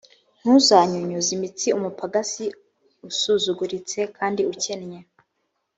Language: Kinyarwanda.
ntuzanyunyuze imitsi umupagasi usuzuguritse kandi ukennye,